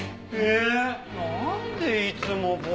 えなんでいつも僕？